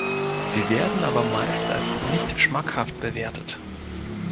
Sie werden aber meist als nicht schmackhaft bewertet.